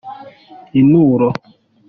inturo.